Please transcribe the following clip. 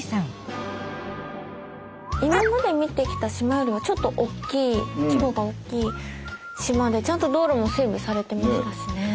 今まで見てきた島よりはちょっとおっきい規模がおっきい島でちゃんと道路も整備されてましたしね。